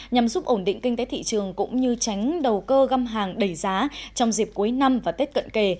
nhằm giúp ổn định kinh tế thị trường cũng như tránh đầu cơ găm hàng đầy giá trong dịp cuối năm và tết cận kề